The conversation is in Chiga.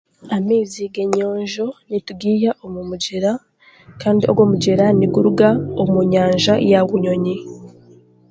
Amaizi g'enyonjo nitugaiha omu mugyera kandi ogwo mugyera niguruga omu nyanja ya Bunyonyi